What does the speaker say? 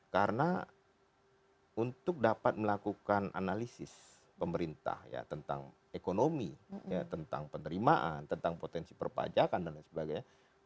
karena untuk dapat melakukan analisis pemerintah ya tentang ekonomi tentang penerimaan tentang potensi perpajakan dan lain sebagainya